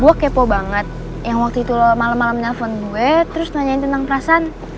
gue kepo banget yang waktu itu lo malem malem nelfon gue terus nanyain tentang prasan